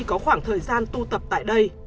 có khoảng thời gian tu tập tại đây